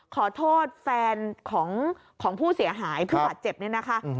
ขอโทษแฟนของผู้เสียหายผู้บาดเจ็บเนี่ยนะคะ